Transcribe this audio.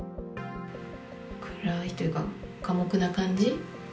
暗いというか寡黙な感じ。